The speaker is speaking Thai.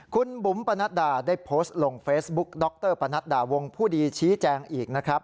คุณบุ๋มปนัดดาได้โพสต์ลงเฟซบุ๊กดรปนัดดาวงผู้ดีชี้แจงอีกนะครับ